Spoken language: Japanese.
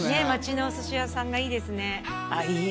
町のお寿司屋さんがいいですねあっ